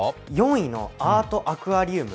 ４位のアートアクアリウム。